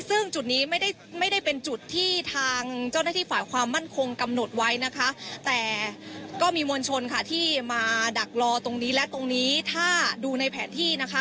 ซึ่งจุดนี้ไม่ได้ไม่ได้เป็นจุดที่ทางเจ้าหน้าที่ฝ่ายความมั่นคงกำหนดไว้นะคะแต่ก็มีมวลชนค่ะที่มาดักรอตรงนี้และตรงนี้ถ้าดูในแผนที่นะคะ